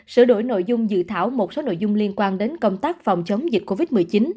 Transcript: sửa đổi nội dung dự thảo một số nội dung liên quan đến công tác phòng chống dịch covid một mươi chín